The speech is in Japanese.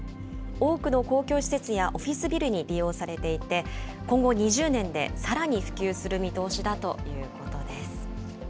多くの公共施設やオフィスビルに利用されていて、今後２０年でさらに普及する見通しだということです。